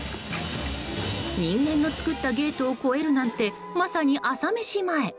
人間の作ったゲートを越えるなんて、まさに朝飯前。